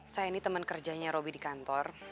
saya ini temen kerjanya robby di kantor